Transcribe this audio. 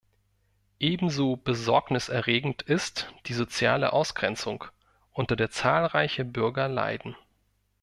Ebenso Besorgnis erregend ist die soziale Ausgrenzung, unter der zahlreiche Bürger leiden.